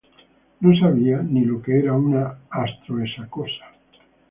No sabía ni lo que era una astro-esa-cosa.